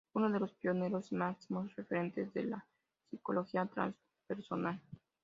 Uno de los pioneros y máximos referentes de la psicología transpersonal.